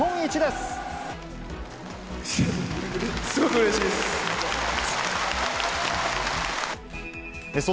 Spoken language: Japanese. すごくうれしいです。